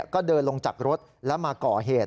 ก็เดินลงจากรถแล้วมาก่อเหตุ